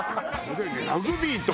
ラグビーと。